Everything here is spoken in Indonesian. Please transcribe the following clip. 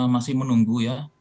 masih menunggu ya